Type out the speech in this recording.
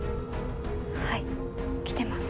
はい来てます。